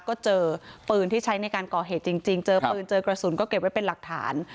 ก็เจอปืนที่ใช้ในการก่อเหตุจริงเจอปืนเจอกระสุนก็เก็บไว้เป็นหลักฐาน